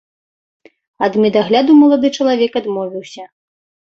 Ад медагляду малады чалавек адмовіўся.